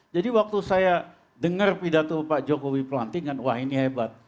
jadi waktu saya dengar pidato pak jokowi pelantikan wah ini hebat